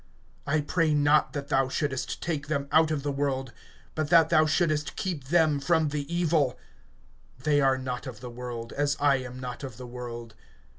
(15)I pray not that thou shouldest take them out of the world, but that thou shouldest keep them from the evil. (16)They are not of the world, as I am not of the world.